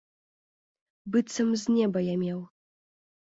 Быццам з неба я меў.